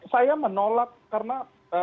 saya menolak karena